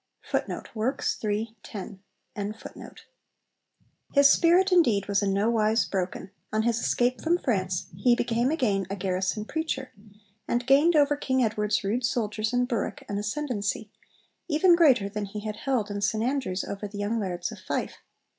' His spirit indeed was in no wise broken: on his escape from France he became again a garrison preacher, and gained over King Edward's rude soldiers in Berwick an ascendancy, even greater than he had held in St Andrews over the young lairds of Fife.